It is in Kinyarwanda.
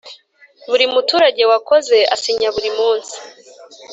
buri muturage wakoze asinya buri munsi